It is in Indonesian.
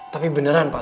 tapi beneran pak